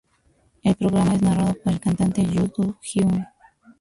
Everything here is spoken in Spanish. El programa es narrado por el cantante Yoon Do-hyun.